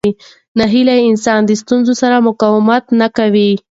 ناهیلي انسان د ستونزو سره مقابله نه کوي.